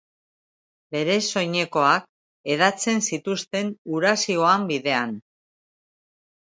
Beren soinekoak hedatzen zituzten hura zihoan bidean.